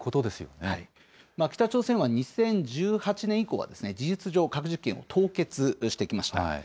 北朝鮮は２０１８年以降は、事実上、核実験を凍結してきました。